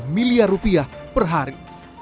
tiga sembilan miliar rupiah per hari